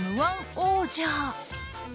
王者。